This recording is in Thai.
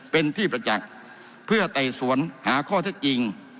เป็นที่ประจักษ์เพื่อไต่สวนหาข้อเท็จจริง